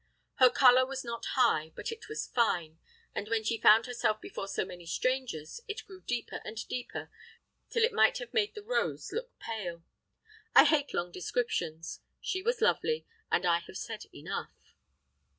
Her colour was not high, but it was fine; and when she found herself before so many strangers, it grew deeper and deeper, till it might have made the rose look pale. I hate long descriptions. She was lovely, and I have said enough.